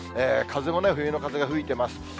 風も冬の風が吹いてます。